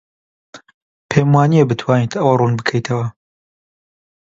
پێم وانییە بتوانیت ئەوە ڕوون بکەیتەوە.